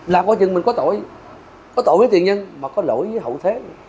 làm quá chừng mình có tội có tội với tiền nhân mà có lỗi với hậu thế